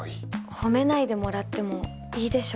褒めないでもらってもいいでしょうか。